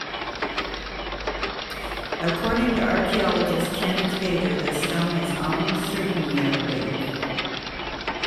According to archaeologist Kenneth Feder, the stone is almost certainly a fake.